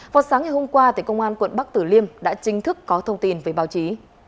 vào sáng ngày hôm qua công an quận bắc tử liêm đã chính thức có thông tin với báo chí